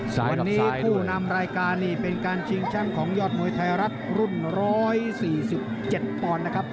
ส่วนวันนี้คู่นำรายการนี่เป็นการชิงแชมป์ของยอดมวยไทยรัฐรุ่น๑๔๗ปอนด์นะครับ